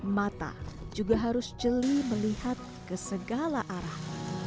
mata juga harus jeli melihat ke segala arah